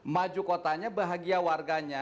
maju kotanya bahagia warganya